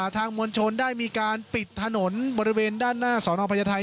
มวลชนได้มีการปิดถนนบริเวณด้านหน้าสอนอพญาไทย